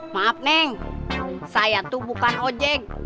maaf neng saya tuh bukan ojek